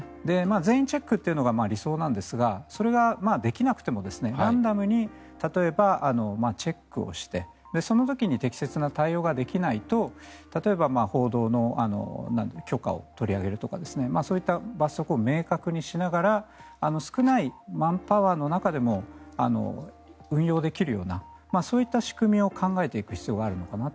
全員チェックというのが理想なんですがそれができなくてもランダムに例えばチェックしてその時に適切な対応ができないと例えば報道の許可を取り上げるとかそういった罰則を明確にしながら少ないマンパワーの中でも運用できるようなそういった仕組みを考えていく必要があるのかなと。